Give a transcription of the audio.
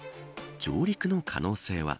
上陸の可能性は。